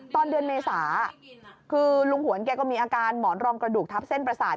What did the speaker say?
ตอนเดือนเมษาคือลุงหวนแกก็มีอาการหมอนรองกระดูกทับเส้นประสาท